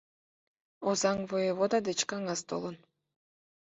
Озаҥ воевода деч кагаз толын...